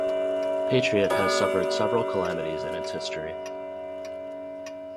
Patriot has suffered several calamities in its history.